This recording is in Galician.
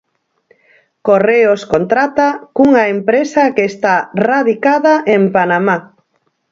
Correos contrata cunha empresa que está radicada en Panamá.